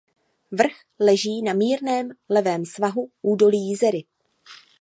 Vrch leží na mírném levém svahu údolí Jizery.